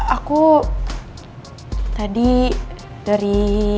aku tadi dari